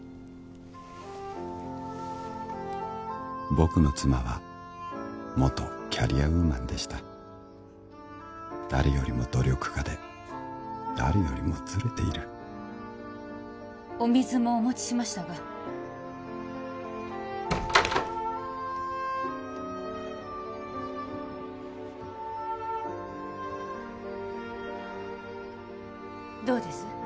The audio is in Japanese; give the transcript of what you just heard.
僕の妻は元キャリアウーマンでした誰よりも努力家で誰よりもズレているお水もお持ちしましたがどうです？